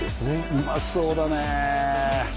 うまそうだね